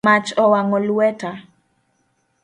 Mach owang’o lweta